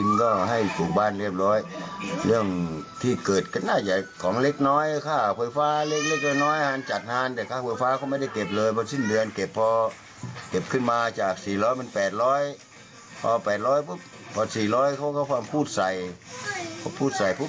ไม่นึกว่ามันจะมาเกิดอย่างนี้